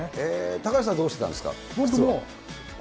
高橋さんはどうしてたんですか？